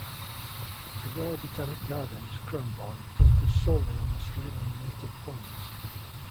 The Royal Botanic Gardens, Cranbourne focus solely on Australian native plants.